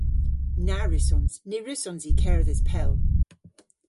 Na wrussons. Ny wrussons i kerdhes pell.